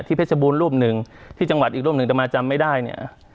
เพชรบูรณรูปหนึ่งที่จังหวัดอีกรูปหนึ่งแต่มาจำไม่ได้เนี่ย